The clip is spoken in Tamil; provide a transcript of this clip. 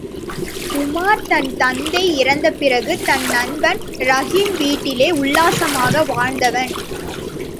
உமார் தன் தந்தை இறந்த பிறகு தன் நண்பன் ரஹீமின் வீட்டிலே உல்லாசமாக வாழ்ந்தவன்.